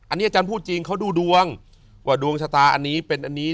อันนี้อาจารย์พูดจริงเขาดูดวงว่าดวงชะตาอันนี้เป็นอันนี้